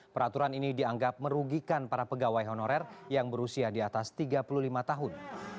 peraturan ini dianggap merugikan para pegawai honorer yang berusia di atas tiga puluh lima tahun